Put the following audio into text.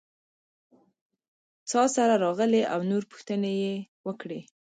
څاسره راغلې او نور پوښتنې یې وکړې.